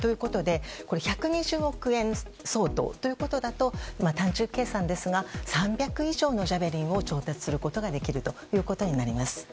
１２０億円相当ということだと単純計算で３００以上のジャベリンを調達することができるということになります。